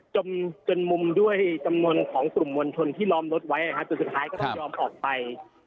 จนมุมด้วยจำนวนของกลุ่มมวลชนที่ล้อมรถไว้จนสุดท้ายก็ต้องยอมออกไป